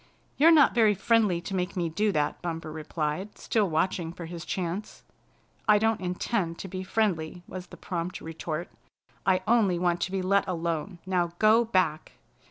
"You're not very friendly to make me do that," Bumper replied, still watching for his chance. "I don't intend to be friendly," was the prompt retort. "I only want to be let alone. Now go back!"